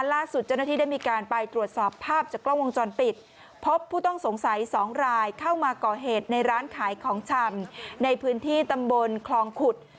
ล่าสุดเจ้าหน้าที่ได้มีการไปตรวจสอบภาพจากกล้องวงจรปิดพบผู้ต้องสงสัยสองรายเข้ามาก่อเหตุในร้านขายของชำในพื้นที่ตำบลคลองขุด